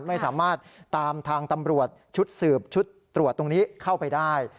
ไม่สามารถตามทางตำรวจชุดสืบชุดตรวจตรงนี้เข้าไปได้